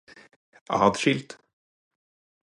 atskilt